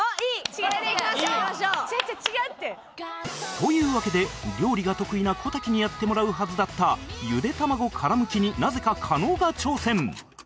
というわけで料理が得意な小瀧にやってもらうはずだったゆで卵殻むきになぜか加納が挑戦